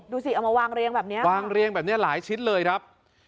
ดูสิเอามาวางเรียงแบบนี้วางเรียงแบบนี้หลายชิ้นเลยครับ